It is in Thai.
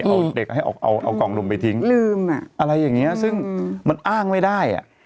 เอาเด็กให้รีบทิ้งเอากล่องนมไปทิ้งอะไรอย่างนี้ซึ่งมันอ้างไม่ได้